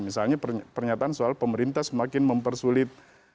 misalnya pernyataan soal pemerintah semakin mempersulit